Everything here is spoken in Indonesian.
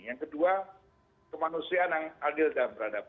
yang kedua kemanusiaan yang adil dan beradab